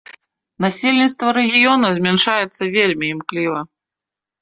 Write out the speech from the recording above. Насельніцтва рэгіёна змяншаецца вельмі імкліва.